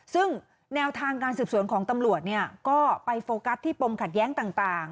ซึ่งแนวทางการสืบสวนของตำรวจก็ไปโฟกัสที่ปมขัดแย้งต่าง